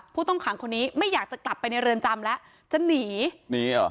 ผู้ต้องขังคนนี้ไม่อยากจะกลับไปในเรือนจำแล้วจะหนีหนีเหรอ